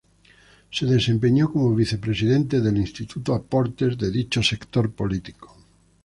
Se desempeñó como vicepresidente del Instituto Aportes de dicho sector político.